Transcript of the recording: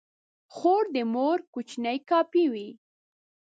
خور د مور کوچنۍ کاپي وي.